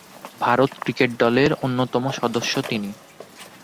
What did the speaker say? Bharat cricket দলের অন্যতম সদস্য তিনি।